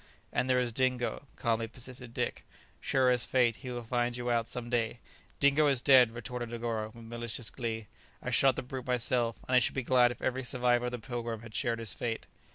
"And there is Dingo," calmly persisted Dick; "sure as fate, he will find you out some day." "Dingo is dead!" retorted Negoro with malicious glee: "I shot the brute myself, and I should be glad if every survivor of the 'Pilgrim' had shared his fate."